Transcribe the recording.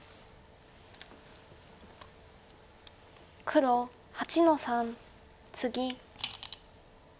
黒８の三ツギ。